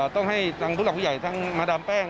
ต้องให้ทางผู้หลักผู้ใหญ่ทั้งมาดามแป้ง